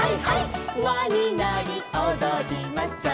「わになりおどりましょう」